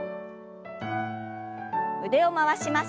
腕を回します。